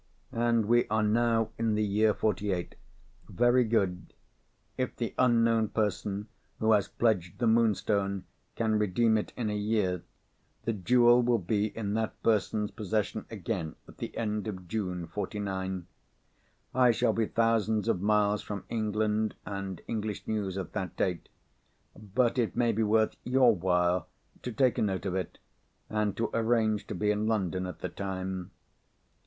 "And we are now in the year 'forty eight. Very good. If the unknown person who has pledged the Moonstone can redeem it in a year, the jewel will be in that person's possession again at the end of June, 'forty nine. I shall be thousands of miles from England and English news at that date. But it may be worth your while to take a note of it, and to arrange to be in London at the time."